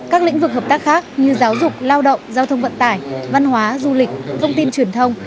các lĩnh vực hợp tác khác như giáo dục lao động giao thông vận tải văn hóa du lịch thông tin truyền thông